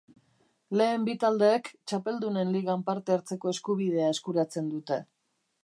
Lehen bi taldeek Txapeldunen Ligan parte hartzeko eskubidea eskuratzen dute.